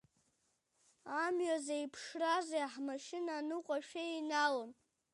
Амҩа зеиԥшрази ҳмашьына аныҟәашәеи еинаалон.